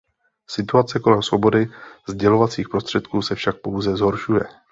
Situace kolem svobody sdělovacích prostředků se však pouze zhoršuje.